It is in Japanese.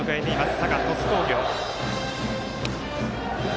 佐賀、鳥栖工業。